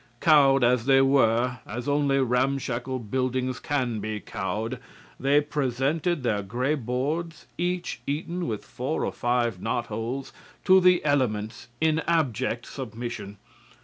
Cowed as they were, as only ramshackle buildings can be cowed, they presented their gray boards, each eaten with four or five knot holes, to the elements in abject submission.